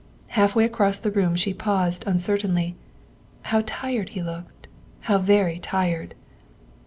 Half way across the room she paused uncertainly. How tired he looked how very tired